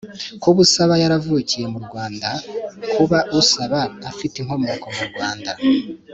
kuba usaba yaravukiye mu rwanda, kuba usaba afite inkomoko mu rwanda,